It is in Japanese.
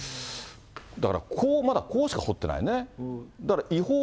だから、こう、まだこうしか掘ってないね。